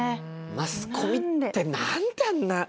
マスコミって何であんな。